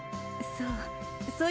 そう。